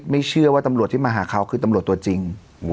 ไม่เชื่อว่าตำรวจตัวจริง